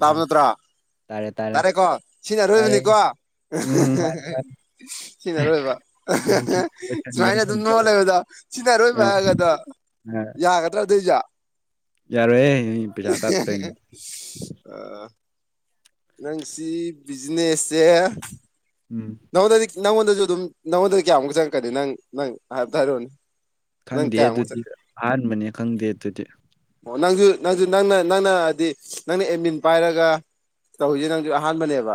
ꯇꯥꯕ ꯅꯠꯇ꯭ꯔ ꯇꯥꯔꯦ ꯇꯥꯔꯦ ꯇꯥꯔꯦꯀꯣ ꯁꯤꯅ ꯇꯥꯔꯦ ꯑꯔꯣꯏꯕꯅꯤꯀꯣ ꯎꯝ ꯃꯥꯅꯦ ꯃꯥꯟ ꯁꯤꯟꯅꯔꯣꯏꯕ ꯁꯨꯃꯥꯏꯅ ꯂꯣꯏꯁꯟꯒ꯭ꯔꯁꯦ ꯑꯗꯨꯝ ꯑꯝꯇ ꯅꯣꯜꯂꯦꯕꯗꯣ ꯑ ꯁꯤꯟꯅꯔꯣꯏꯕ ꯍꯥꯏꯒꯗꯣ ꯑ ꯌꯥꯒꯗ꯭ꯔꯥ ꯑꯗꯨꯏꯖꯣ ꯌꯥꯔꯣꯏꯍꯦ ꯑꯩ ꯄꯤꯔꯥ ꯀꯥꯛꯇꯣꯏꯅꯦ ꯑ ꯅꯪꯁꯤ ꯕꯤꯖꯤꯅꯦꯁꯦ ꯎꯝ ꯅꯉꯣꯟꯗꯁꯨ ꯑꯗꯨꯝ ꯅꯪꯉꯣꯟꯗꯗꯤ ꯀꯌꯥꯃꯨꯛ ꯆꯪꯉꯛꯀꯅꯤ ꯅꯪ ꯅꯪ ꯍꯥꯏꯕꯇ ꯍꯥꯏꯔꯛꯑꯣꯅꯦ ꯅꯪ ꯈꯪꯗꯦ ꯀꯌꯥꯃꯨꯛ ꯑꯗꯨꯗꯤ ꯑꯍꯥꯟꯕꯅꯦ ꯈꯪꯗꯦ ꯑꯗꯨꯗꯤ ꯑꯣ ꯅꯪꯁꯨ ꯅꯪꯁꯨ ꯅꯪꯅ ꯅꯪꯅ ꯍꯥꯏꯗꯤ ꯅꯪꯅ ꯑꯦꯗꯅꯤꯟ ꯄꯥꯏꯔꯒ ꯇꯧꯋꯤꯖꯦ ꯅꯪꯁꯨ ꯑꯍꯥꯟꯕꯅꯦꯕ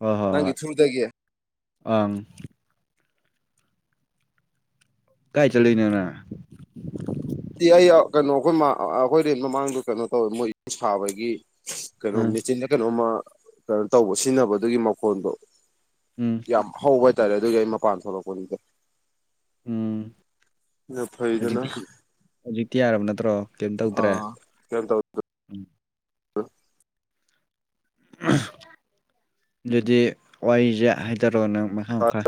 ꯍꯣꯏ ꯍꯣꯏ ꯅꯪꯒꯤ ꯍꯣꯏ ꯊ꯭ꯔꯨꯗꯒꯤ ꯑꯪ ꯀꯥꯏ ꯆꯠꯂꯨꯏꯅꯣ ꯅ ꯗꯤ ꯑꯩ ꯀꯩꯅꯣ ꯑꯩꯈꯣꯏ ꯑꯩꯈꯣꯏ ꯔꯦꯟ ꯃꯃꯥꯡꯗꯣ ꯀꯩꯅꯣ ꯇꯧꯋꯦ ꯃꯣꯏ ꯁꯥꯕꯒꯤ ꯀꯩꯅꯣ ꯑꯥ ꯃꯦꯆꯤꯟꯗ ꯀꯩꯅꯣꯝꯃ ꯀꯩꯅꯣ ꯇꯧꯕ ꯁꯤꯖꯤꯟꯅꯕꯗꯨꯒꯤ ꯃꯈꯣꯟꯗꯣ ꯎꯝ ꯌꯥꯝ ꯍꯧꯕ ꯍꯥꯏꯇꯥꯔꯦ ꯑꯗꯨꯒꯤ ꯑꯩ ꯃꯄꯥꯟ ꯊꯣꯛꯂꯛꯄꯅꯤꯗꯦ ꯎꯝ ꯗꯣ ꯐꯩ ꯗꯅ ꯍꯧꯖꯤꯛꯇꯤ ꯍꯧꯖꯤꯛꯇꯤ ꯌꯥꯔꯝ ꯅꯠꯇ꯭ꯔꯣ ꯀꯦꯝ ꯇꯧꯗ꯭ꯔꯦ ꯀꯩꯝ ꯇꯧ ꯎꯝ ꯑꯥ ꯗꯨꯗꯤ ꯋꯥꯏꯖꯦ ꯍꯥꯏꯗꯦꯛꯑꯣ ꯅꯪ ꯃꯍꯥꯝ ꯈꯔ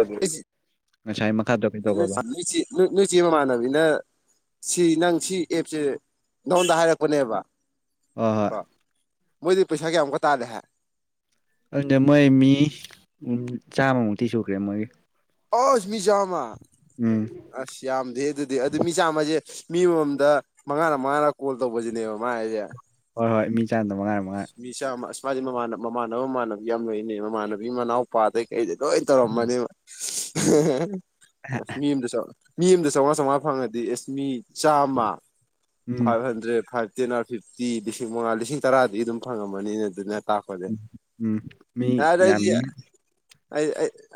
ꯏꯂꯨꯆꯥ ꯅꯣꯏ ꯆꯦ ꯅꯣꯏ ꯆꯦ ꯃꯃꯥꯟꯅꯕꯤꯅ ꯁꯤ ꯅꯪ ꯁꯤ ꯑꯦꯞꯁꯦ ꯅꯉꯣꯟꯗ ꯍꯥꯏꯔꯛꯄꯅꯦꯕ ꯍ ꯍꯣꯏ ꯀꯣ ꯃꯣꯏꯗꯤ ꯄꯩꯁꯥꯒꯤꯌꯥ ꯃꯨꯛ ꯀ ꯇꯥꯂꯦ ꯍꯥꯏ ꯑꯗꯨꯗꯤ ꯃꯣꯏ ꯃꯤ ꯎꯝ ꯆꯥꯝꯃꯃꯨꯛꯇꯤ ꯁꯨꯈ꯭ꯔꯦ ꯃꯣꯏꯒꯤ ꯑꯁ ꯃꯤꯆꯥꯝꯃ ꯎꯝ ꯑꯁ ꯌꯥꯝꯗꯦ ꯑꯗꯨꯗꯤ ꯑꯗꯨ ꯃꯤꯆꯥꯃꯁꯦ ꯃꯤ ꯃꯃꯝꯗ ꯃꯉꯥꯅ ꯃꯉꯥꯅ ꯀꯣꯜ ꯇꯧꯕꯁꯤꯅꯦꯕ ꯃꯥ ꯑꯩꯁꯦ ꯍꯣꯏ ꯍꯣꯏ ꯃꯤ ꯆꯥꯟꯅꯗꯕ ꯃꯉꯥꯏꯔꯦ ꯃꯉꯥꯏꯔꯦ ꯆꯥꯝꯃ ꯑꯁ ꯃꯥꯗꯤ ꯃꯃꯥꯟ ꯃꯃꯥꯟꯅꯕ ꯃꯃꯥꯟꯅꯕꯕꯤ ꯌꯥꯝ ꯂꯩꯏꯅꯦ ꯃꯃꯥꯟꯅꯕꯤ ꯃꯅꯥꯎꯄꯥꯗꯩ ꯀꯩꯗ ꯂꯣꯏ ꯇꯧꯔꯝꯃꯅꯦꯕ ꯎꯝ ꯑ ꯃꯤ ꯑꯗꯁꯨ ꯃꯤ ꯑꯃꯗ ꯆꯥꯝꯃꯉꯥ ꯆꯥꯝꯉꯥ ꯐꯉꯗꯤ ꯑꯦꯁꯃꯤ ꯆꯥꯝꯃ ꯎꯝ ꯐꯥꯏꯚ ꯍꯟꯗ꯭ꯔꯦꯠ ꯐꯥꯏꯚ ꯇꯦꯟ ꯑ ꯐꯤꯐꯇꯤ ꯂꯤꯁꯤꯡ ꯃꯉꯥ ꯂꯤꯁꯤꯡ ꯇꯔꯥꯗꯤ ꯑꯗꯨꯝ ꯐꯪꯉꯝꯃꯅꯤꯅ ꯑꯗꯨꯅ ꯇꯈꯗꯦ ꯎꯝ ꯃꯤ ꯌꯥꯗꯗꯤ ꯌꯥꯝꯃꯤ ꯑꯩ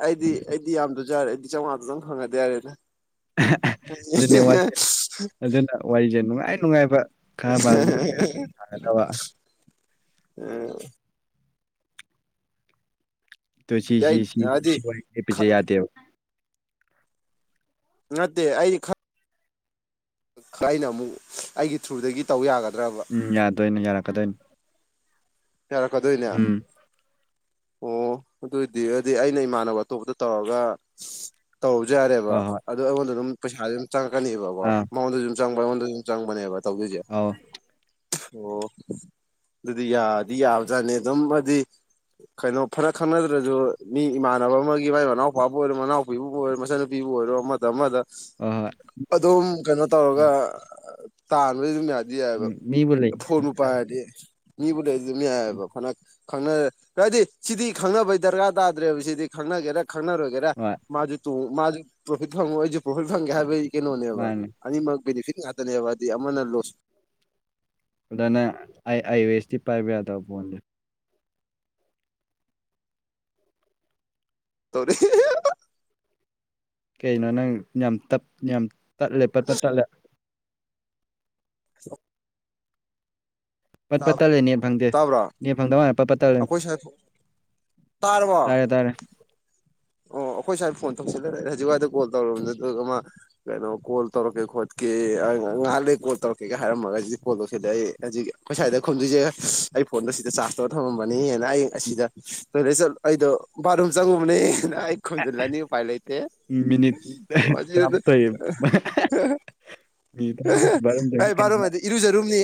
ꯑꯩꯗꯤ ꯑꯩꯗꯤ ꯌꯥꯝꯗꯖꯔꯦ ꯑꯩꯗꯤ ꯆꯥꯝꯃꯉꯥꯗꯗꯪ ꯐꯪꯉꯗꯤ ꯌꯥꯔꯦꯅ ꯑꯗꯨꯅꯦ ꯋꯥꯔꯤꯁꯦ ꯑꯗꯨꯅ ꯋꯥꯔꯤꯁꯦ [unintelligible] ꯅꯨꯡꯉꯥꯏ ꯅꯨꯡꯉꯥꯏꯕ ꯀꯔꯕꯥꯔ ꯂꯦꯞꯅꯒꯗꯕ [unintelligible] ꯎꯝ ꯑꯣ ꯁꯤꯁꯤ ꯑꯩ ꯁꯤ ꯍꯥꯏꯗꯤ ꯁꯤ ꯋꯥꯏ ꯀꯦ ꯄꯖ ꯌꯥꯗꯦꯕ ꯅꯠꯇꯦ ꯑꯩ ꯈ ꯑꯩꯅ ꯑꯃꯨꯛ ꯑꯩꯒꯤ ꯊ꯭ꯔꯨꯗꯒꯤ ꯇꯧ ꯌꯥꯒꯗ꯭ꯔꯥ ꯎꯝ ꯌꯥꯗꯣꯏꯅꯦ ꯌꯥꯔꯛꯀꯗꯣꯏꯅꯤ ꯇꯔ ꯀꯗꯧꯏꯅꯦ ꯑꯣ ꯎꯝ ꯑꯗꯨꯏꯗꯤ ꯑꯗꯨꯗꯤ ꯑꯩꯅ ꯏꯃꯥꯟꯅꯕ ꯑꯇꯣꯞꯄꯗ ꯇꯧꯔꯒ ꯇꯧꯔꯁꯨ ꯌꯥꯔꯦꯕ ꯍꯣꯏ ꯍꯣꯏ ꯑꯗꯣ ꯑꯩꯉꯣꯟꯗ ꯑꯗꯨꯝ ꯄꯩꯁꯥꯁꯦ ꯑꯗꯨꯝ ꯆꯪꯉꯛꯀꯅꯦꯕꯀꯣ ꯑꯥ ꯃꯉꯣꯟꯗ ꯑꯗꯨ ꯃꯉꯣꯟꯗ ꯑꯗꯨꯝ ꯆꯪꯕꯅꯦꯕ ꯇꯧꯗꯣꯏꯁꯦ ꯑꯧ ꯑꯣ ꯑꯗꯨꯗꯤ ꯌꯥ ꯌꯥꯎꯗꯅꯤ ꯑꯗꯨꯝꯕꯗꯤ ꯀꯩꯅꯣ ꯐꯔ ꯈꯪꯅꯗ꯭ꯔꯁꯨ ꯃꯤ ꯏꯃꯥꯟꯅꯕ ꯑꯃꯒꯤ ꯃꯥꯏ ꯃꯅꯥꯎꯄꯥꯕꯨ ꯑꯣꯏꯔꯣ ꯃꯅꯥꯎꯄꯤꯕꯨ ꯑꯣꯏꯔꯣ ꯃꯆꯟꯅꯨꯄꯤꯕꯨ ꯑꯣꯏꯔꯣ ꯑꯃꯗ ꯑꯃꯗ ꯍꯣꯏ ꯍꯣꯏ ꯑꯗꯨꯝ ꯀꯩꯅꯣ ꯇꯧꯔꯒ ꯇꯥꯟꯕꯗꯤ ꯑꯗꯨꯝ ꯌꯥ ꯑꯗꯨꯗꯤ ꯌꯥꯏꯑꯕ ꯎꯝ ꯃꯤꯕꯨ ꯂꯩ ꯐꯣꯟꯕꯨ ꯄꯥꯏ ꯍꯥꯏꯔꯗꯤ ꯃꯤꯕꯨꯗꯤ ꯃꯤ ꯍꯥꯏꯌꯦꯕ ꯐꯟꯗꯛ ꯈꯪꯅꯔꯦ ꯍꯥꯏꯗꯤ ꯁꯤꯗꯤ ꯈꯪꯅꯕꯩ ꯗꯔꯀꯥꯔ ꯇꯥꯗ꯭ꯔꯦꯕ ꯁꯤꯗꯤ ꯈꯪꯅꯒꯦꯔ ꯈꯪꯅꯔꯣꯏꯒꯦꯔꯥ ꯍꯣꯏ ꯃꯥꯁꯨ ꯇꯣꯡ ꯃꯥꯁꯨ ꯄ꯭ꯔꯣꯐꯤꯠ ꯐꯪꯉꯨ ꯑꯩꯁꯨ ꯄ꯭ꯔꯣꯐꯤꯠ ꯐꯪꯒꯦ ꯍꯥꯏꯕꯒꯤ ꯀꯩꯅꯣꯅꯦꯕ ꯃꯥꯅꯦ ꯑꯅꯤꯃꯛ ꯕꯦꯅꯤꯐꯤꯠ ꯉꯥꯛꯇꯅꯦꯕ ꯍꯥꯏꯗꯤ ꯑꯃꯅ ꯂꯣꯁ ꯑꯗꯨꯅ ꯑꯥꯏꯋꯦꯁꯇꯤ ꯄꯥꯏꯕ ꯌꯥꯗꯕ ꯐꯣꯟꯗꯦ ꯇꯔꯤ ꯀꯩꯅꯣ ꯅꯪ ꯌꯥꯝ ꯌꯥꯝ ꯇꯠꯂꯦ ꯄꯠꯄ ꯇꯠꯂꯦ ꯄꯠ ꯄꯠꯠꯇꯂꯦꯠ ꯐꯪꯗꯦ ꯇꯥꯕ꯭ꯔꯣ ꯅꯦꯠ ꯐꯪꯗꯕ ꯃꯅ ꯄꯠ ꯇꯦ ꯑꯩꯈꯣꯏ ꯁꯥꯏ ꯇꯥꯔꯕꯣ ꯇꯥꯔꯦ ꯇꯥꯔꯦ ꯑꯣ ꯑꯩꯈꯣꯏ ꯁ꯭ꯋꯥꯏꯗ ꯐꯣꯟ ꯇꯧꯁꯤꯜꯂꯦ ꯂꯩꯔꯦ ꯍꯧꯖꯤꯛꯋꯥꯏꯗ ꯀꯣꯜ ꯇꯧꯔꯕꯅꯤꯅ ꯑꯗꯨ ꯑꯃ ꯀꯩꯅꯣ ꯀꯣꯜ ꯇꯧꯔꯛꯀꯦ ꯈꯣꯠꯀꯦ ꯉꯥꯏꯍꯥꯛ ꯂꯩ ꯀꯣꯜ ꯇꯧꯔꯛꯀꯦ ꯍꯥꯏꯔꯝꯃꯒ ꯍꯧꯖꯤꯛ ꯀꯣꯜ ꯇꯧꯁꯤꯗꯦ ꯑꯩ ꯍꯧꯖꯤꯛ ꯑꯩꯣꯏꯁꯥꯏꯗ ꯈꯨꯝꯗꯣꯏꯁꯦ ꯐꯣꯟꯗꯣ ꯁꯤꯗ ꯆꯥꯔꯖ ꯇꯧꯔ ꯊꯝꯃꯝꯕꯅꯤꯅ ꯑꯩ ꯑꯁꯤꯗ ꯇꯣꯏꯂꯦꯠ ꯆꯠꯂ ꯑꯩꯗꯣ ꯕꯥꯠꯔꯨꯝ ꯆꯪꯉꯨꯕꯅꯦ ꯑꯩꯈꯖꯂꯥꯅꯤ ꯄꯥꯏꯂ ꯏꯇꯦ ꯃꯤꯅꯤꯠ ꯖꯤ ꯑꯗꯨ ꯇꯔꯥꯃꯥꯊꯣꯏ ꯃꯤꯅꯤꯠ ꯇꯔꯥꯃꯥꯊꯣꯏ ꯕꯥꯔꯣꯝꯗꯒꯤ ꯑꯩ ꯀꯩꯅꯣ ꯑ ꯕꯥꯔꯨꯝꯗꯤ ꯏꯔꯨꯖꯔꯨꯝꯅꯤ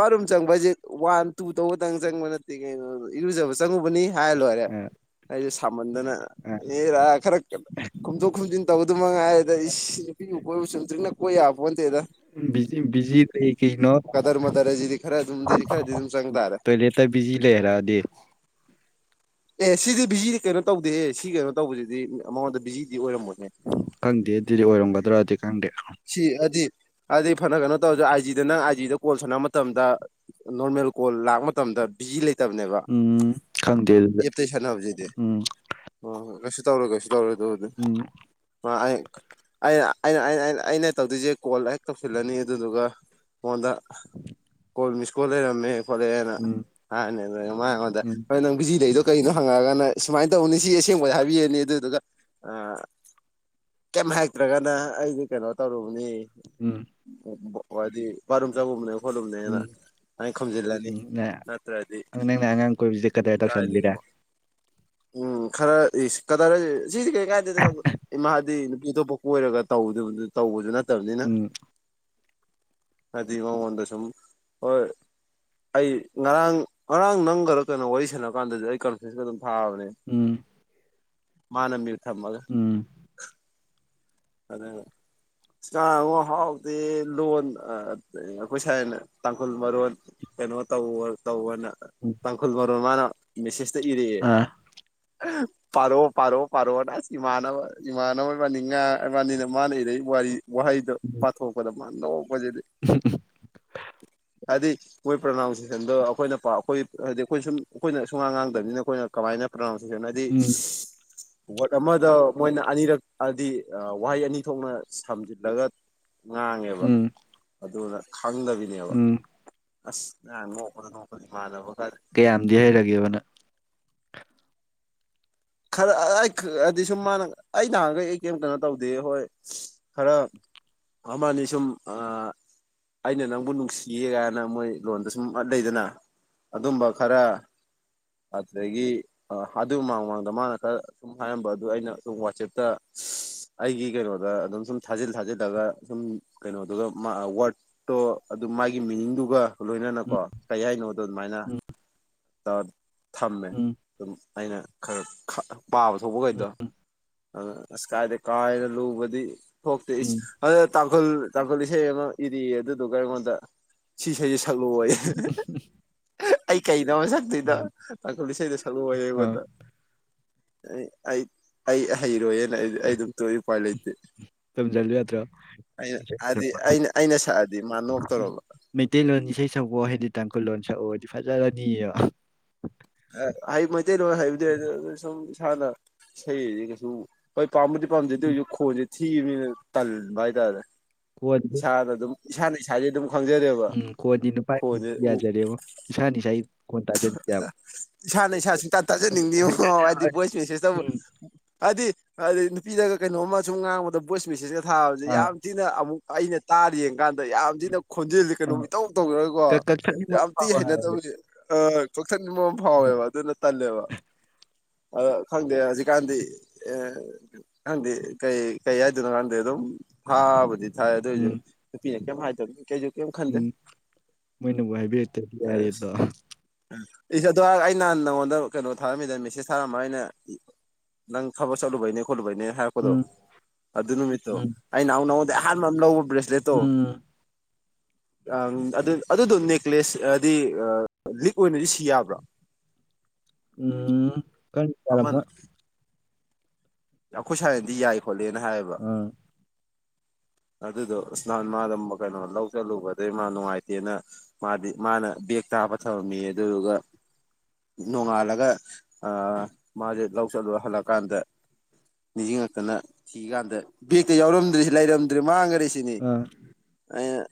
ꯕꯥꯔꯨꯝ ꯆꯪꯁ ꯋꯥꯟ ꯇꯨ ꯇꯧꯕꯇꯪ ꯆꯪꯕ ꯅꯠꯇꯦ ꯀꯩꯅꯣ ꯏꯔꯨꯖꯕ ꯆꯪꯉꯨꯕꯅꯤ ꯍꯥꯏꯔ ꯂꯣꯏꯔꯦ ꯍꯥꯏꯗꯤ ꯃꯃꯟꯗꯅ ꯑ ꯑꯦꯔꯥ ꯈꯔ ꯈꯣꯝꯗꯣꯛ ꯈꯣꯝꯖꯤꯟ ꯇꯧꯕꯗꯨ ꯃꯉꯥꯏ ꯑꯗ ꯏ ꯅꯨꯄꯤ ꯀꯣꯏ ꯁꯨꯇꯔꯤ ꯀꯣꯏꯣ ꯅꯠꯇꯦꯗ ꯕꯤꯖꯤ ꯃꯗꯔꯁꯤꯗꯤ ꯈꯔ ꯑꯗꯨꯝꯗꯤ ꯈꯔꯗꯤ ꯑꯗꯨꯝ ꯆꯪ ꯇꯥꯔꯦ ꯀꯦꯇꯔꯖꯤ ꯁꯤꯤ ꯂꯩ ꯍꯥꯏꯔꯗꯤ ꯑꯦ ꯁꯤꯗꯤ ꯕꯤꯖꯤꯗꯤ ꯀꯩꯅꯣ ꯇꯧꯗꯦ ꯑꯦ ꯁꯤ ꯀꯩꯅꯣ ꯇꯧꯕꯁꯤꯗꯤ ꯃꯉꯣꯟꯗ ꯕꯤꯖꯤꯗꯤ ꯑꯣꯏꯔꯝꯃꯣꯏꯅꯤ ꯈꯪꯗꯦ ꯑꯗꯨꯗꯤ ꯑꯣꯏꯔꯝꯒꯗ꯭ꯔꯗꯤ ꯈꯪꯗꯦ ꯁꯤ ꯍꯥꯏꯗꯤ ꯍꯥꯏꯗꯤ ꯐꯅ ꯀꯩꯅꯣ ꯇꯧꯔꯁꯦ ꯑꯥꯏꯖꯤꯗ ꯅꯪ ꯑꯥꯏ ꯖꯤꯗ ꯀꯣꯜ ꯁꯥꯟꯅꯕ ꯃꯇꯝꯗ ꯅꯃꯦꯜ ꯑꯦꯦꯜ ꯀꯣꯜ ꯂꯥꯛꯄ ꯃꯇꯝꯗ ꯕꯤꯖꯤ ꯂꯩ ꯆꯠꯇꯕꯅꯦꯕ ꯎꯝ ꯈꯪꯗꯦ ꯑꯗꯨꯗꯤ ꯑꯦꯞꯇꯩ ꯁꯥꯟꯅꯕꯁꯤꯗꯤ ꯎꯝ ꯑꯣ ꯀ ꯇꯧꯔꯨ ꯀꯩꯁꯨ ꯇꯧꯔ ꯑꯗꯨꯅꯤ ꯎꯝ ꯃꯥ ꯑꯩꯅ ꯑꯩꯅ ꯑꯩꯅꯩꯅ ꯑꯩꯅ ꯇꯧꯗꯣꯏꯁꯦ ꯀꯣꯜ ꯍꯦꯛ ꯇꯧꯁꯤꯜꯂꯅꯤ ꯑꯗꯨꯗꯨꯒ ꯃꯉꯣꯟꯗ ꯀꯣꯜ ꯃꯤꯁ ꯀꯣꯠ ꯂꯩꯔꯝꯃꯦ ꯈꯣꯠꯂꯛꯑꯦꯅ ꯎꯝ ꯍꯥꯏꯅꯦ ꯃꯉꯣꯟꯗ ꯎꯝ ꯍꯣꯏ ꯅꯪ ꯕꯤꯖꯤ ꯂꯩꯗ ꯀꯩꯅꯣ ꯍꯪꯉꯛꯑꯒꯅ ꯁꯨꯃꯥꯏꯅ ꯇꯧꯅꯤ ꯁꯤ ꯑꯁꯦꯡꯕꯗ ꯍꯥꯏꯕꯤꯔꯅꯤ ꯑꯗꯨꯗꯨꯒ ꯀꯃꯦ ꯍꯥꯏꯇ꯭ꯔꯒꯅꯥ ꯑꯩ ꯀꯩꯅꯣ ꯇꯧꯔꯨꯕꯅꯤ ꯎꯝ ꯍꯥꯏꯗꯤ ꯄꯔꯨꯝ ꯆꯥꯔꯕꯅꯦ ꯈꯣꯠꯂꯨꯕꯅꯦꯅ ꯎꯝ ꯑ ꯈꯣꯝꯖꯤꯜꯂꯅꯤ ꯎꯝ ꯅꯪ ꯅꯠꯇ꯭ꯔꯗꯤ ꯅꯪꯅ ꯑꯉꯥꯡ ꯀꯣꯏꯕꯁꯦ ꯀꯗꯔ ꯇꯧꯁꯟꯕꯤꯔꯦ ꯀꯥꯏꯗꯒꯤꯒꯕ ꯎꯝ ꯈꯔ ꯀꯗꯥꯔꯁ ꯁꯤꯗꯤ ꯀꯩ ꯀꯥꯏꯗ ꯏꯃꯥꯗꯤ ꯑꯇꯣꯞꯄ ꯀꯣꯏꯔꯒ ꯇꯧꯕꯁꯨ ꯅꯠꯇꯕꯅꯤꯅ ꯎꯝ ꯑꯃ ꯍꯗꯁꯝ ꯑꯣ ꯑꯩ ꯉꯔꯥꯡ ꯉꯔꯥꯡ ꯅꯪꯒꯔ ꯀꯩꯅꯣ ꯋꯥꯔꯤ ꯁꯥꯟꯅ ꯀꯥꯟꯗꯗꯤ ꯑꯩ ꯀꯟꯐꯟꯁꯀ ꯑꯗꯨꯝ ꯐꯥꯎꯕꯅꯦ ꯎꯝ ꯃꯥꯅꯃꯤ ꯎ ꯊꯃꯒ ꯎꯝ ꯑꯗ ꯀꯥꯡ ꯍꯥꯎꯗꯦ ꯂꯣꯟ ꯑꯩꯈꯣꯏ ꯁꯥꯏꯅ ꯇꯥꯡꯈꯨꯜ ꯃꯔꯣꯟ ꯀꯩꯅꯣ ꯇꯧ ꯇꯧꯅ ꯎꯝ ꯇꯥꯡꯈꯨꯜ ꯣꯟ ꯃꯥꯅ ꯃꯦꯁꯦꯁꯇ ꯏꯔꯛꯑꯦ ꯑꯥ ꯄꯥꯔꯛꯑꯣ ꯄꯥꯔꯛꯑꯣ ꯄꯥꯔꯛꯑꯣ ꯑꯁ ꯏꯃꯥꯟꯅꯕ ꯏꯃꯥꯟꯅꯕ ꯏꯕꯥꯅꯤ ꯉꯥ ꯏꯕꯥꯅꯤꯅ ꯃꯥꯅ ꯏꯔꯏ ꯋꯥꯔꯤ ꯋꯥꯍꯩꯗꯣ ꯄꯥꯊꯣꯛꯄꯗ ꯃꯥꯥꯟ ꯂꯧꯄꯁꯤꯗꯤ ꯍꯥꯏꯗꯤ ꯃꯣꯏ ꯄ꯭ꯔꯅꯥꯎꯟꯁꯤꯦꯁꯟꯗꯣ ꯑꯩꯈꯣꯏꯅ ꯄ ꯑꯩꯈꯣꯏ ꯍꯥꯏꯗꯤ ꯑꯩꯈꯣꯏ ꯁꯨꯝ ꯑꯩꯈꯣꯏꯅ ꯁꯨꯡꯉꯥꯡ ꯉꯥꯡꯗꯕꯅꯤꯅ ꯑꯩꯈꯣꯏꯅ ꯀꯃꯥꯏꯅ ꯄ꯭ꯔꯅꯥꯎꯟ ꯅ ꯍꯥꯏꯗꯤ ꯎꯝ ꯋꯥꯔꯗ ꯑꯃꯗ ꯃꯣꯏꯅ ꯑꯅꯤꯔꯛ ꯍꯥꯏꯗꯤ ꯋꯥꯍꯩ ꯑꯅꯤ ꯊꯣꯛꯅ ꯁꯝꯖꯤꯜꯂꯒ ꯉꯥꯡꯉꯦꯕ ꯎꯝ ꯑꯗꯨꯅ ꯈꯪꯗꯕꯤꯅꯦꯕ ꯎꯝ ꯑꯁ ꯅꯍ ꯅꯣꯛꯄꯗ ꯅꯣꯛꯄꯗ ꯏꯃꯥꯟꯅꯕ ꯀꯌꯥꯝꯗꯤ ꯍꯩꯔꯒꯦꯕꯅ ꯈꯔ ꯑꯩ ꯍꯥꯏꯗꯤ ꯁꯨꯝ ꯃꯥꯅ ꯑꯩ ꯅꯍꯥꯟꯈꯩ ꯑꯩ ꯀꯔꯤꯝ ꯀꯩꯅꯣ ꯇꯧꯗꯦ ꯍꯣꯏ ꯈꯔ ꯑꯃꯅꯤꯁꯨꯝ ꯑ ꯑꯩꯅ ꯅꯪꯕꯨ ꯅꯨꯡꯁꯤꯌꯦ ꯀꯥꯏꯅ ꯃꯣꯏ ꯂꯣꯟꯗ ꯁꯨꯝ ꯂꯩꯗꯅ ꯑꯗꯨꯝꯕ ꯈꯔ ꯑꯗꯨꯗꯒꯤ ꯑꯗꯨ ꯃꯥꯡꯃꯥꯡ ꯑꯗꯣ ꯃꯥꯅ ꯈꯔ ꯁꯨꯝ ꯍꯥꯏꯔꯝꯕ ꯑꯗꯨ ꯑꯩꯅ ꯁꯝ ꯋꯥꯆꯦꯞꯇ ꯑꯩꯒꯤ ꯀꯩꯅꯣꯗ ꯑꯗꯨꯝ ꯁꯨꯝ ꯊꯥꯖꯤꯜ ꯊꯥꯖꯤꯜꯂꯒ ꯁꯨꯝ ꯀꯩꯅꯣꯗꯨꯒ ꯋꯥꯔꯠꯇꯣ ꯑꯗꯨ ꯃꯥꯒꯤ ꯃꯤꯅꯤꯡꯗꯨꯒ ꯂꯣꯏꯅꯅ ꯀꯣ ꯀꯔꯤ ꯍꯥꯏꯅꯣ ꯑꯗꯨꯃꯥꯏꯅ ꯎꯝ ꯊꯝꯃꯦ ꯎꯝ ꯑꯗꯨꯝ ꯑꯩꯅ ꯈꯔ ꯄꯥꯕ ꯎꯝ ꯎꯝ ꯊꯣꯛꯄꯈꯩꯗꯣ ꯑꯗꯨꯅ ꯑꯁ ꯀꯥꯏꯗ ꯀꯥꯏꯅ ꯂꯨꯕꯗꯤ ꯊꯣꯛꯇꯦ ꯎꯝ ꯑꯗꯨ ꯇꯥꯡꯈꯨꯜ ꯇꯥꯡꯈꯨꯜ ꯏꯁꯩ ꯑꯃ ꯏꯔꯤꯑ ꯑꯗꯨꯗꯨꯒ ꯑꯩꯉꯣꯟꯗ ꯁꯤꯁꯁꯤ ꯈꯜꯂꯨ ꯑꯩ ꯀꯩ ꯅ ꯁꯛꯇꯗ ꯎꯝ ꯇꯈꯂꯤ ꯏꯁꯩꯗ ꯁꯂꯨ ꯑꯥ ꯑꯣꯏꯕꯗ ꯑꯩ ꯑꯩ ꯑꯩ ꯍꯩꯔꯣꯏꯅ ꯑꯩ ꯑꯩ ꯑꯗꯨꯝ ꯇꯣꯛꯏ ꯎꯄꯥꯏ ꯂꯩꯇꯦ ꯇꯝꯖꯜꯂꯨ ꯌꯥꯗ꯭ꯔ‌ꯣ ꯑꯩꯅ ꯏꯁꯩ ꯍꯥꯏꯗꯤ ꯁꯛꯄ ꯑꯩꯅ ꯑꯩꯅ ꯁꯛꯑꯗꯤ ꯃꯥ ꯅꯣꯛꯇꯧꯔꯕ ꯃꯩꯇꯩꯂꯣꯟ ꯏꯁꯩ ꯁꯛꯄꯣ ꯍꯥꯏꯗꯤ ꯇꯥꯡꯈꯨꯜ ꯂꯣ ꯁꯛꯎꯗꯤ ꯐꯖꯔꯅꯤ ꯃꯩꯇꯩꯂꯣꯟꯣꯏ ꯍꯩꯕꯗꯤ ꯁꯨꯝ ꯏꯁꯥꯅ ꯏꯁꯩꯗꯤ ꯀꯩꯁꯨ ꯄꯥꯝꯝꯕꯗꯤ ꯄꯥꯝꯗꯗ ꯍꯧꯖꯤꯛ ꯈꯣꯟꯁꯦ ꯊꯤꯕꯅꯤꯅ ꯇꯟꯕ ꯍꯥꯏꯇꯥꯔꯦ ꯈꯣꯟꯗꯣ ꯏꯁꯥꯅ ꯑꯗꯨꯝ ꯏꯁꯥꯅ ꯏꯁꯥꯁꯦ ꯑꯗꯨꯝ ꯈꯪꯖꯔꯦꯕ ꯎꯝ ꯀꯣꯟꯗꯤ ꯅꯨꯄꯥꯗꯤ ꯈꯣꯟꯁꯦ ꯎ ꯌꯥꯖꯔꯦꯕꯣ ꯏꯁꯥꯅ ꯏꯁꯥ ꯀꯣꯟ ꯇꯥꯖꯗꯦꯕ ꯏꯁꯥꯅ ꯏꯁꯥꯁꯨꯨꯡꯇ ꯇꯥꯖꯅꯤꯡꯉꯤ ꯍꯥꯏꯗꯤ ꯚꯣꯏꯁ ꯃꯦꯁꯦꯁꯇꯕꯨ ꯎꯝ ꯍꯥꯏꯗꯤ ꯍꯥꯏꯗꯤ ꯅꯨꯄꯤꯗꯒ ꯀꯩꯅꯣꯝꯃ ꯁꯨꯝ ꯉꯥꯡꯕꯗ ꯚꯣꯏꯁ ꯃꯦꯁꯦꯁꯀ ꯊꯥꯕꯁꯦ ꯑꯥ ꯌꯥꯝ ꯊꯤꯅ ꯑꯃꯨꯛ ꯑꯩꯅ ꯇꯥꯔꯤ ꯌꯦꯡ ꯀꯥꯟꯗ ꯗ ꯌꯥꯝ ꯊꯤꯅ ꯈꯣꯟꯖꯜꯂꯤ ꯀꯩꯅꯣ ꯑꯥ ꯃꯤꯇꯧ ꯀꯛ ꯇꯧꯖꯔꯒꯀꯣ ꯀꯛꯊꯠꯅꯤꯡꯕ ꯑꯃ ꯌꯥꯝ ꯊꯤꯅ ꯐꯥꯎꯕ ꯍꯥꯏꯕꯗꯤ ꯍꯩꯅꯗꯕꯁꯦ ꯐꯥꯎꯋꯦꯕ ꯑꯗꯨꯅ ꯇꯜꯂꯦꯕ ꯑ ꯈꯪꯗꯦ ꯍꯧꯖꯤꯛꯀꯥꯟꯗꯤ ꯑꯦ ꯀꯗꯤ ꯀꯩ ꯀꯩ ꯑꯖꯅ ꯀꯗ ꯑꯗꯨ ꯍꯥꯥꯎ ꯊ ꯑꯗꯨꯣꯏꯁꯨ ꯎꯝ ꯅꯨꯄꯤꯅ ꯀꯩꯝ ꯍꯥꯏꯗꯧꯒ ꯀꯩꯁꯨ ꯀꯩꯝ ꯎꯝ ꯈꯟꯗꯦ ꯃꯣꯏꯅꯕꯨ ꯍꯥꯏꯕꯤꯔꯛꯇꯗꯤ ꯌꯥꯔꯤꯦ ꯑꯗꯣ ꯎ ꯑꯗꯨꯗꯥꯛ ꯑꯩ ꯅꯍꯥꯟ ꯅꯉꯣꯟꯗ ꯀꯩꯅꯣ ꯊꯥꯔꯝꯃꯤꯗ ꯃꯦꯁꯦꯖ ꯊꯥꯔꯝꯃ ꯑꯩꯅ ꯅꯪ ꯊꯕ ꯆꯥꯂ ꯥꯏꯅꯤ ꯈꯣꯂꯥꯏ ꯍꯥꯏꯔꯛꯄꯗꯣ ꯎꯝ ꯑꯗꯨ ꯅꯨꯃꯤꯠꯇꯣ ꯎꯝ ꯑꯩꯅ ꯅꯍꯥꯟꯃꯨꯛ ꯅꯉꯣꯟꯗꯩ ꯑꯍꯥꯟꯕ ꯑꯃ ꯂꯧꯕ ꯕ꯭ꯔꯦꯁꯂꯦꯠꯇꯣ ꯎꯝ ꯑꯗꯨꯗꯣ ꯅꯦꯛꯀ꯭ꯂꯦꯁ ꯍꯥꯏꯗꯤ ꯂꯤꯛ ꯑꯣꯏꯅꯗꯤ ꯁꯤ ꯌꯥꯕ꯭ꯔꯣ ꯎꯝ ꯈꯪꯗꯦ ꯌꯥꯔꯝꯃꯣꯏ ꯑꯩꯈꯣꯏ ꯁꯥꯏꯅꯗꯤ ꯌꯥꯏ ꯈꯣꯠꯂꯦꯅ ꯍꯥꯏꯌꯦꯕ ꯑꯥ ꯑꯗꯨꯗꯣ ꯅꯍꯥꯟ ꯃꯥꯗꯣ ꯀꯩꯅꯣ ꯂꯧꯕ ꯆꯠꯂꯨꯕ ꯑꯗꯩ ꯃꯥ ꯅꯨꯡꯉꯥꯏꯇꯦꯅ ꯃꯥꯗꯤ ꯃꯥꯅ ꯕꯦꯛ ꯇꯥ ꯍꯥꯞꯄꯒ ꯊꯥꯅꯝꯃꯦꯌꯦ ꯑꯗꯨꯗꯨꯒ ꯅꯣꯡꯉꯥꯜꯂꯒ ꯃꯥꯁꯦ ꯂꯧ ꯆꯠꯂꯨꯔ ꯍꯜꯂꯛꯀꯥꯟꯗ ꯅꯤꯡꯁꯤꯡꯉꯛꯇꯅ ꯊꯤ ꯀꯥꯟꯗ ꯕꯦꯛꯇ ꯌꯥꯎꯔꯝꯗ꯭ꯔꯦ ꯂꯩꯔꯝ ꯗꯔꯦ ꯃꯥꯡꯒꯔꯦꯁꯤꯅꯤ ꯑꯥ ꯑꯩꯅ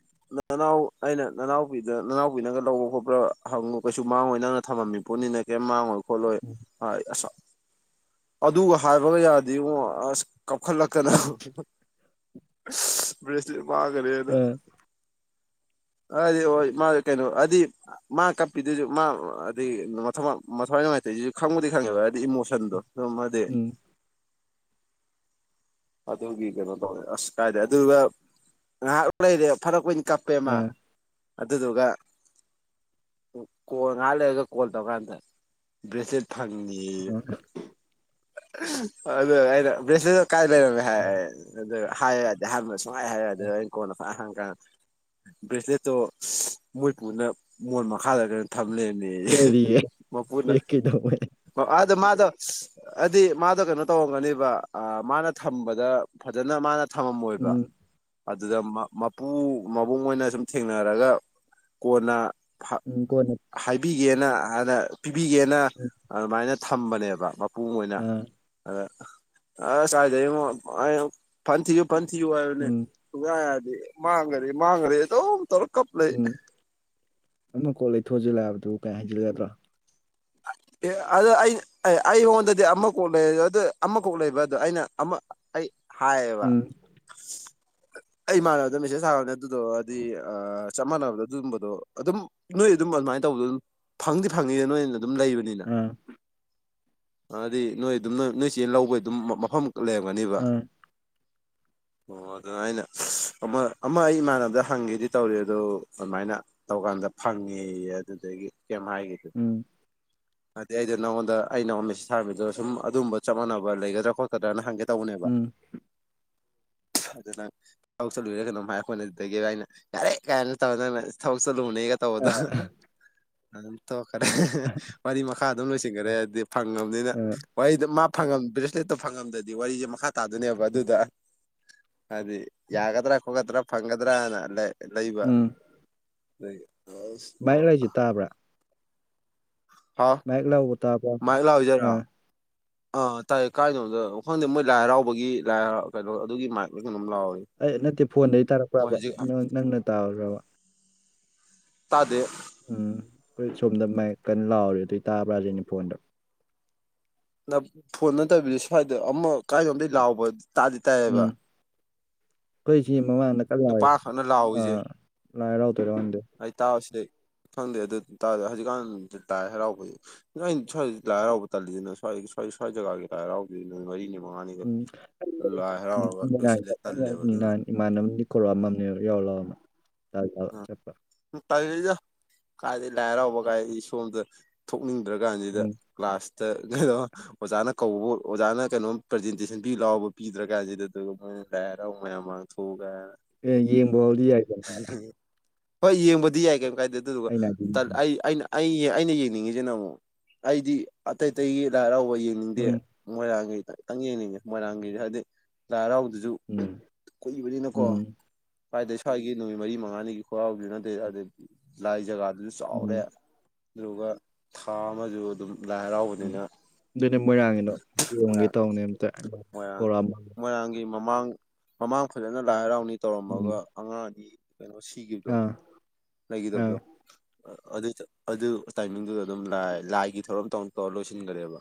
ꯅꯅꯥꯎ ꯑꯩꯅ ꯅꯅꯥꯎꯄꯤꯗ ꯅꯅꯥꯎꯄꯤꯅꯒ ꯂꯧꯕ ꯈꯣꯠꯄ꯭ꯔ ꯍꯪꯉꯨ ꯀꯩꯁꯨ ꯃꯥꯡꯉꯣꯏ ꯅꯪꯅ ꯊꯝꯃꯤꯕ ꯄꯣꯠꯅꯤꯅ ꯀꯦꯝ ꯃꯥꯥꯡꯉꯣꯏ ꯈꯣꯠꯂꯣꯏ ꯎꯝ ꯍꯥꯏ ꯑꯁ ꯑꯗꯨꯒ ꯍꯥꯏꯕꯒ ꯌꯥꯗꯦꯉꯣ ꯑꯁ ꯀꯞꯈꯠꯂꯛꯇꯅ ꯑꯁ ꯕ꯭ꯔꯦꯁꯂꯦꯠ ꯃꯥꯥꯡꯒ꯭ꯔꯦꯅ ꯑꯥ [inaudible] ꯍꯥꯏꯗꯤ ꯍꯣꯏ ꯃꯥ ꯀꯩꯅꯣ ꯍꯥꯏꯗꯤ ꯃꯥ ꯀꯞꯄꯤꯗꯨꯁꯨ ꯃꯥ ꯍꯥꯏꯗꯤ ꯃꯊꯋꯥꯏ ꯅꯨꯡꯉꯥꯏꯇꯕ ꯈꯪꯕꯨꯗꯤ ꯈꯪꯉꯦꯕ ꯍꯥꯏꯗꯤ ꯏꯃꯣꯁꯟꯗꯣ ꯁꯨꯝ ꯍꯥꯏꯗꯤ ꯎꯝ ꯑꯗꯨꯒꯤ ꯀꯩꯅꯣ ꯇꯧꯔꯦ ꯑꯁ ꯀꯥꯏꯗꯩ ꯑꯗꯨꯒ ꯉꯥꯏꯍꯥꯛ ꯂꯩꯔꯦ ꯐꯥꯅꯀꯨꯏꯅ ꯀꯞꯄꯦ ꯃꯥ ꯑꯥ ꯑꯗꯨꯗꯨꯒ ꯀꯣꯜ ꯉꯥꯏꯍꯥꯛ ꯂꯩꯔꯒ ꯀꯣꯜ ꯇꯧꯔꯀꯥꯟꯗ ꯕ꯭ꯔꯦꯖꯂꯦꯠ ꯐꯪꯉꯦꯌꯦ ꯑꯗꯨꯒ ꯑꯩꯅ ꯕ꯭ꯔꯦꯁꯂꯦꯠꯇꯣ ꯀꯥꯏ ꯂꯩꯔꯝꯃꯦ ꯍꯥꯏ ꯑꯗꯨꯒ ꯍꯥꯏꯌꯨ ꯌꯥꯗꯦ ꯑꯍꯥꯟꯕꯗ ꯍꯥꯏꯌꯨ ꯁꯨꯡꯌꯥ ꯌꯥꯗꯦ ꯑꯗꯩ ꯑꯩꯅ ꯀꯣꯟꯅ ꯐꯥꯖꯅ ꯍꯪꯉꯦ ꯕ꯭ꯔꯦꯁꯂꯦꯠꯇꯣ ꯃꯣꯏ ꯄꯨꯅ ꯃꯣꯟ ꯃꯈꯥꯗꯔ ꯀꯩꯅꯣ ꯊꯅꯝ ꯂꯩꯔꯝꯃꯦꯌꯦ ꯀꯔꯤꯌꯦ ꯃꯥꯄꯨꯅ ꯀꯩꯗꯧꯕꯩ ꯑꯗꯣ ꯃꯥꯗꯣ ꯍꯥꯏꯗꯤ ꯃꯥꯗꯣ ꯀꯩꯅꯣ ꯇꯧꯔꯝꯒꯅꯤꯕ ꯃꯥꯅ ꯊꯝꯕꯗ ꯐꯖꯅ ꯃꯥꯅ ꯊꯝꯃꯝꯃꯣꯏꯕ ꯎꯝ ꯑꯗꯨꯗ ꯃꯄꯨ ꯃꯕꯨꯡ ꯍꯣꯏꯅ ꯁꯨꯝ ꯊꯦꯡꯅꯔꯒ ꯀꯣꯟꯅ ꯎꯝ ꯀꯣꯟꯅ ꯄꯤꯒꯦꯅ ꯍꯥꯏꯅ ꯄꯤꯕꯤꯒꯦꯅ ꯎꯝ ꯑꯗꯨꯃꯥꯏꯅ ꯊꯝꯕꯅꯦꯕ ꯄꯨꯡ ꯑꯣꯏꯅ ꯑꯥ ꯑꯗ ꯑꯁ ꯀꯥꯏꯗꯩꯉꯣ ꯐꯥꯅ ꯊꯤꯌꯨ ꯐꯥꯅ ꯊꯤꯌꯨ ꯍꯥꯏꯕꯅꯦ ꯎꯝ ꯁꯨꯡꯌꯥ ꯌꯥꯗꯦ ꯃꯥꯡꯒ꯭ꯔꯦ ꯃꯥꯡꯒ꯭ꯔꯦ ꯑꯗꯨꯝ ꯀꯞ ꯂꯩ ꯎꯝ ꯑꯃ ꯀꯣꯛ ꯂꯩꯊꯣꯛꯑꯁꯨ ꯌꯥꯕꯗꯨꯕꯨ ꯀꯥ ꯍꯥꯏꯖꯤꯜꯂꯨ ꯌꯥꯗ꯭ꯔꯣ ꯑꯦ ꯑꯗ ꯑꯩ ꯑꯦ ꯑꯩꯉꯣꯟꯗꯗꯤ ꯑꯃ ꯀꯣꯛ ꯂꯩꯔꯁꯨ ꯑꯗꯨ ꯑꯃ ꯀꯣꯛ ꯂꯩꯕ ꯑꯗꯣ ꯑꯩꯅ ꯑꯃ ꯑꯩ ꯍꯥꯏꯕ ꯎꯝ [inaudible] ꯑꯩ ꯏꯃꯥꯟꯅꯕꯗ ꯃꯦꯁꯦꯖ ꯊꯥꯕꯅꯦ ꯑꯗꯨꯗꯣ ꯍꯥꯏꯗꯤ ꯆꯞ ꯃꯥꯟꯅꯕꯗꯣ ꯑꯗꯨꯨꯒꯨꯝꯕꯗꯣ ꯑꯗꯨꯝ ꯅꯣꯏ ꯑꯗꯨꯝ ꯑꯗꯨꯃꯥꯏꯅ ꯇꯧꯕꯗꯣ ꯑꯗꯨꯝ ꯐꯪꯗꯤ ꯐꯪꯅꯤꯗ ꯅꯣꯏꯅ ꯑꯗꯨꯝ ꯂꯩꯕꯅꯤꯅ ꯑꯥ ꯍꯥꯏꯗꯤ ꯅꯣꯏ ꯑꯗꯨꯝ ꯅꯣꯏ ꯅꯣꯏ ꯆꯦ ꯂꯧꯕꯩ ꯑꯗꯨꯝ ꯃꯐꯝ ꯑꯗꯨꯝ ꯂꯩꯔꯝꯒꯅꯤꯕ ꯑꯥ ꯑꯣ ꯑꯗꯨ ꯑꯩꯅ ꯑꯃ ꯑꯃ ꯑꯩ ꯏꯃꯥꯟꯅꯕꯗ ꯍꯪꯒꯦꯗꯤ ꯇꯧꯔꯤ ꯑꯗꯣ ꯑꯗꯨꯃꯥꯏꯅ ꯇꯧꯀꯥꯟꯗ ꯐꯪꯉꯦꯌꯦ ꯑꯗꯨꯗꯒꯤ ꯀꯦꯝ ꯍꯥꯏꯒꯤꯗ꯭ꯔꯦ ꯎꯝ ꯍꯥꯏꯗꯤ ꯑꯩꯗꯤ ꯅꯪꯉꯣꯟꯗ ꯑꯩ ꯅꯪꯉꯣꯟꯗ ꯃꯦꯁꯦꯖ ꯊꯥꯔꯛꯑꯝꯃꯤꯗꯣ ꯁꯨꯝ ꯑꯗꯨꯝꯕ ꯆꯝ-ꯃꯝꯅꯕ ꯂꯩꯒꯗ꯭ꯔ ꯈꯣꯠꯀꯗ꯭ꯔꯥꯅ ꯍꯪꯒꯦ ꯇꯧꯕꯅꯦꯕ ꯎꯝ ꯑꯗꯨ ꯅꯪ ꯊꯕꯛ ꯆꯠꯂꯨꯔꯤꯔꯥ ꯀꯩꯅꯣꯝ ꯍꯥꯏ ꯑꯩꯈꯣꯏꯅ ꯑꯗꯨꯗꯒꯤ ꯑꯩꯅ ꯌꯥꯔꯦ ꯀꯥꯏꯅ ꯇꯧꯔ ꯅꯪꯅ ꯊꯕꯛ ꯆꯠꯂꯨꯕꯅꯦꯒꯥ ꯇꯧꯕꯗꯣ ꯑꯗꯨꯝ ꯇꯣꯛꯈꯔꯦ ꯋꯥꯔꯤ ꯃꯈꯥ ꯑꯗꯨꯝ ꯂꯣꯏꯁꯤꯟꯒꯥꯔꯦ ꯍꯥꯏꯗꯤ ꯐꯪꯉꯥꯕꯅꯤꯅ ꯑ ꯋꯥꯔꯤꯗꯨ ꯪꯐꯪꯉꯝ ꯕ꯭ꯔꯦꯁꯂꯦꯠꯇꯣ ꯐꯪꯉꯝꯗ꯭ꯔꯗꯤ ꯋꯥꯔꯤꯁꯦ ꯃꯈꯥ ꯇꯥꯗꯣꯏꯅꯦꯕ ꯑꯗꯨꯗ ꯍꯥꯏꯗꯤ ꯌꯥꯒꯗ꯭ꯔꯥ ꯈꯣꯠꯀꯗ꯭ꯔꯥ ꯐꯪꯒꯗ꯭ꯔꯅ ꯂꯩꯕ ꯑꯗꯨꯒꯤ ꯚꯥꯏ ꯑꯩ ꯋꯥꯔꯤꯁꯦ ꯇꯥꯕ꯭ꯔꯥ ꯍꯥꯥꯎ ꯃꯥꯏꯛ ꯂꯥꯎꯕ ꯇꯥꯕ꯭ꯔꯥ ꯃꯍ ꯂꯥꯛꯑꯣꯖꯔꯑꯣ ꯑꯥ [unintelligible] ꯑꯥ ꯇꯥꯏꯌꯦ ꯀꯥꯏꯅꯣꯗ ꯈꯪꯗꯦ ꯃꯣꯏ ꯂꯥꯏ ꯍꯔꯥꯎꯕꯒꯤ ꯂꯥꯏꯍ ꯀꯩꯅꯣ ꯑꯗꯨꯒꯤ ꯃ ꯑꯦ ꯅꯠꯇꯦ ꯐꯣꯟꯗꯒꯤ ꯃꯣꯏ ꯇꯥꯔꯛꯄ꯭ꯔꯕ ꯍꯧꯖꯤꯛ ꯅꯣ ꯅꯪꯅ ꯇꯥꯕ꯭ꯔꯕ ꯇꯥꯗꯦ ꯎꯝ ꯍꯣꯏ ꯁꯣꯝꯗ ꯃꯥꯏꯛ ꯀꯟꯅ ꯂꯥꯎꯔꯦ ꯑꯗꯨꯏ ꯇꯥꯕ꯭ꯔꯥꯖꯤꯅꯦ ꯐꯣꯟꯗ ꯅ ꯐꯣꯟ ꯅꯠꯇꯕꯤꯗ ꯁ꯭ꯋꯥꯏꯗ ꯑꯃ ꯀꯥꯏꯗꯅꯣꯝꯃꯗꯤ ꯂꯥꯎꯕ ꯇꯥꯗꯤ ꯇꯥꯏꯌꯦꯕ ꯀꯣꯏꯁꯤ ꯃꯃꯥꯡꯗ ꯀꯜ ꯂꯥꯎꯏ ꯅꯨꯄꯥ ꯈꯛꯅ ꯂꯥꯎꯏꯖꯦ ꯑꯥ ꯂꯥꯏ ꯍꯔꯥꯎꯗꯣꯏꯔ ꯈꯪꯗꯦ ꯑꯩ ꯇꯥꯎ ꯁꯤꯗꯩꯩ ꯈꯪꯗꯦ ꯑꯗꯨꯇꯥꯗ ꯍꯧꯖꯤꯛꯀꯥꯟ ꯂꯥꯏ ꯍꯔꯥꯎꯕꯩ ꯅꯣꯏ ꯁ꯭ꯋꯥꯏꯗ ꯂꯥꯏ ꯍꯔꯥꯎꯕ ꯇꯜꯂꯤꯖꯤꯅ ꯁ꯭ꯋꯥꯏꯗ ꯁ꯭ꯋꯥꯏ ꯁ꯭ꯋꯥꯏ ꯖꯒꯥꯒꯤ ꯂꯥꯏ ꯍꯥꯔꯥꯎꯗꯦ ꯅꯨꯃꯤꯠ ꯃꯔꯤꯅꯤ ꯃ ꯎꯝ [unintelligible] [unintelligible] ꯂꯣꯏꯁꯤꯜꯂꯦ ꯈꯛꯇꯪ ꯇꯜꯂꯦꯕ ꯌꯥꯎꯕꯅꯤ ꯑꯗꯨꯅ ꯅꯍꯥꯟ ꯏꯃꯥꯟꯅꯕꯅꯗꯤ ꯀꯧꯔꯛꯑꯝꯅꯦꯕ ꯌꯥꯎꯔꯨꯂꯥꯛꯑꯣ ꯇꯜꯂꯕ ꯆꯠꯄ ꯇꯥꯜꯂꯤꯗ ꯀꯥꯏꯗꯒꯤ ꯂꯥꯏ ꯍꯔꯥꯎꯕ ꯀꯥꯏ ꯁꯣꯝꯗ ꯊꯣꯛꯅꯤꯡꯗ꯭ꯔ ꯀꯥꯟꯁꯤꯗ ꯎꯝ ꯀ꯭ꯂꯥꯁ ꯇꯜꯂꯤ ꯀꯩꯅꯣ ꯑꯣꯖꯥꯅ ꯀꯧꯕꯕꯨ ꯑꯣꯖꯥꯅ ꯀꯩꯅꯣꯝ ꯄ꯭ꯔꯖꯦꯟꯇꯦꯁꯟ ꯄꯤ ꯂꯥꯎꯕ ꯄꯤꯗ꯭ꯔ ꯀꯥꯟꯁꯤꯗ ꯗꯨꯒ ꯃꯣꯏꯅ ꯂꯥꯏ ꯍꯔꯥꯎꯕ ꯃꯌꯥꯝ ꯃꯥꯡ ꯊꯣꯛꯎ ꯒꯥꯏꯅ ꯑꯦ ꯌꯦꯡꯕꯥꯎꯗꯤ ꯌꯥꯏꯗꯅ ꯍꯣꯏ ꯌꯦꯡꯕꯗꯤ ꯌꯥꯏ ꯀꯩꯝ ꯀꯥꯏꯗꯦ ꯑꯗꯨꯗꯨꯒ ꯑꯩꯅ ꯍꯥꯏꯗꯤ ꯇꯜ ꯑꯩ ꯑꯩꯅ ꯑꯩ ꯑꯩꯅ ꯌꯦꯡꯅꯤꯡꯉꯤꯖꯤꯅ ꯑꯃꯨꯛ ꯑꯩꯗꯤ ꯑꯇꯩ ꯑꯇꯩꯒꯤ ꯂꯥꯏ ꯍꯔꯥꯎ ꯍꯣꯏ ꯌꯦꯡꯅꯤꯡꯗꯦ ꯎꯝ ꯃꯣꯏꯔꯥꯡꯒꯤ ꯈꯛꯇꯪ ꯌꯦꯡꯅꯤꯡꯉꯦ ꯃꯣꯏꯔꯥꯡꯒꯤꯗꯤ ꯍꯥꯏꯗꯤ ꯂꯥꯏ ꯍꯔꯥꯎ ꯑꯗꯨꯁꯨ ꯎꯝ ꯀꯨꯏꯕꯅꯤꯅꯀꯣ ꯎꯝ ꯀꯥꯏꯗꯒꯤ ꯁ꯭ꯋꯥꯏꯒꯤ ꯅꯨꯃꯤꯠ ꯃꯔꯤ ꯃꯉꯥꯅꯤ ꯈꯣꯔꯥꯎꯖꯦ [unintelligible] ꯅꯠꯇꯦ ꯑꯗꯗꯤ ꯂꯥꯏ ꯖꯒꯥꯗꯨꯁꯨ ꯆꯥꯎꯔꯦ ꯎꯝ ꯑꯗꯨꯒ ꯊꯥ ꯑꯃꯁꯨ ꯑꯗꯨꯝ ꯂꯥꯏ ꯍꯔꯥꯎꯕꯅꯤꯅ ꯑꯗꯨꯏꯅꯦ ꯃꯣꯏꯔꯥꯡꯒꯤꯗꯣ ꯌꯦꯡꯉꯨꯒꯦ ꯃꯣꯏꯔꯥꯡ ꯇꯧꯅꯦ ꯑꯝꯇ ꯃꯣꯏꯔꯥꯡ ꯀꯧꯔꯝꯃꯣ ꯃꯣꯏꯔꯥꯡꯒꯤ ꯃꯃꯥꯡ ꯃꯃꯥꯡ ꯐꯖꯅ ꯂꯥꯏ ꯍꯔꯥꯎꯅꯤ ꯎꯝ ꯇꯧꯔꯝꯃꯒ ꯑꯉꯥꯡ ꯑꯅꯤ ꯀꯩꯅꯣ ꯁꯤꯒꯤꯕꯗꯣ ꯑꯥ ꯑꯥ ꯂꯩꯒꯤꯗꯕꯗꯣ ꯑꯗꯨ ꯇꯥ ꯑꯗꯨ ꯇꯥꯏꯃꯤꯡꯗꯨꯗ ꯑꯗꯨꯝ ꯂꯥꯏꯒꯤ ꯊꯧꯔꯝ ꯇꯧꯅ ꯇꯧꯔ ꯂꯣꯏꯁꯤꯟꯒꯔꯦꯕ